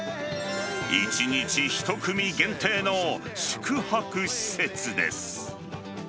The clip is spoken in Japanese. １日１組限定の宿泊施設です。